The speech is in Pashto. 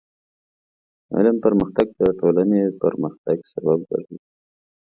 د علم پرمختګ د ټولنې پرمختګ سبب ګرځي.